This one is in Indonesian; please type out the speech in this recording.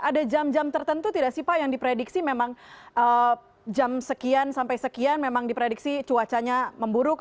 ada jam jam tertentu tidak sih pak yang diprediksi memang jam sekian sampai sekian memang diprediksi cuacanya memburuk